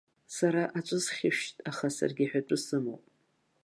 Сара аҵәы схьышәшьит, аха саргьы аҳәатәы сымоуп.